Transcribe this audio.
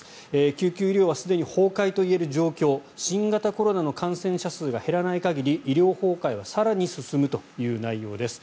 救急医療はすでに崩壊といえる状況新型コロナの感染者数が減らない限り医療崩壊は更に進むという内容です。